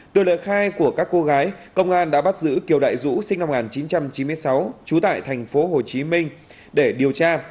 từ lời khai của các cô gái công an đã bắt giữ kiều đại dũ sinh năm một nghìn chín trăm chín mươi sáu trú tại tp hcm để điều tra